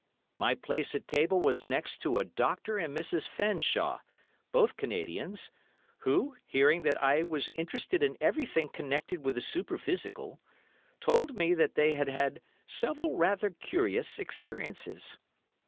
My place at table was next to a Doctor and Mrs. Fanshawe, both Canadians, who, hearing that I was interested in everything connected with the superphysical, told me that they had had several rather curious experiences.